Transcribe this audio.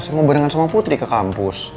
saya mau barengan sama putri ke kampus